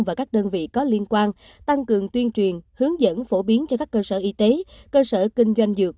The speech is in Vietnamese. và các đơn vị có liên quan tăng cường tuyên truyền hướng dẫn phổ biến cho các cơ sở y tế cơ sở kinh doanh dược